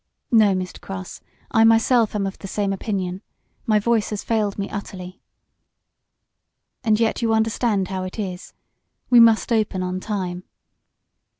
"No, Mr. Cross, I myself am of the same opinion. My voice has failed me utterly." "And yet and yet you understand how it is. We must open on time."